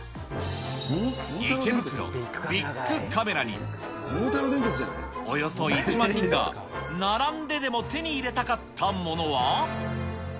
池袋、ビックカメラに、およそ１万人が、並んででも手に入れたかったものは。